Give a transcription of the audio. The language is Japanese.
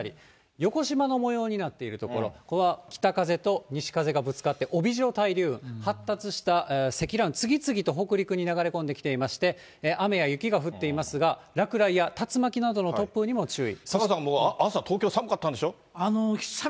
横しまの模様になっている所、ここは北風と西風がぶつかって、帯状対流、発達した積乱雲、次々と北陸に流れ込んできていまして、雨や雪が降っていますが、落雷や竜巻などの突風にも注意。